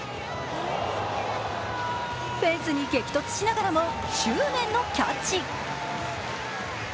フェンスに激突しながらも執念のキャッチ。